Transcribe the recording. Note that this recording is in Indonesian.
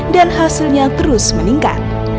dan hasilnya terus meningkat